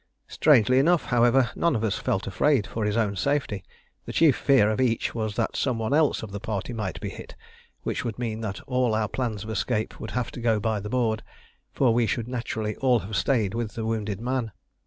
Strangely enough, however, none of us felt afraid for his own safety: the chief fear of each was that some one else of the party might be hit, which would mean that all our plans of escape would have to go by the board, for we should naturally all have stayed with the wounded man.